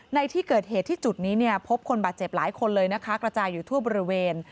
ในที่เกิดเหตุที่จุดนี้เนี่ยพบคนบาดเจ็บหลายคนเลยนะคะกระจายอยู่ทั่วบริเวณ